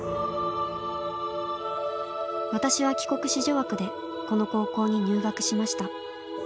「私は帰国子女枠でこの高校に入学しました。